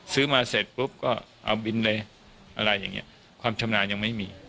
ซื้อมาเสร็จปุ๊บก็เอาบินเลยอะไรอย่างนี้ความชำนาญยังไม่มี